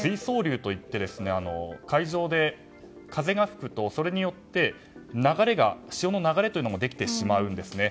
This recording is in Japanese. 海上で風が吹くとそれによって、潮の流れができてしまうんですね。